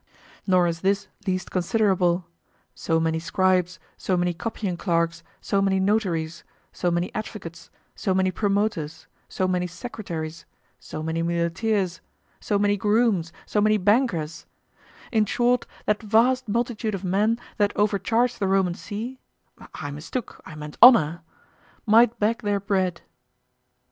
Nor is this least considerable: so many scribes, so many copying clerks, so many notaries, so many advocates, so many promoters, so many secretaries, so many muleteers, so many grooms, so many bankers: in short, that vast multitude of men that overcharge the Roman See I mistook, I meant honor might beg their bread.